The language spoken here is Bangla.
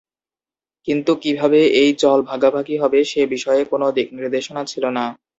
কিন্তু কী ভাবে এই জল ভাগাভাগি হবে সে বিষয়ে কোন দিকনির্দেশনা ছিল না।